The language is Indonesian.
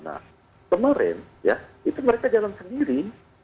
nah kemarin ya itu mereka jalan sendiri